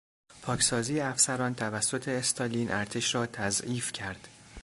پاکسازی افسران توسط استالین ارتش را تضعیف کرد.